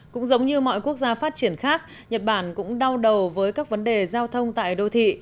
cũng giống như mọi quốc gia phát triển khác nhật bản cũng đau đầu với các vấn đề giao thông tại đô thị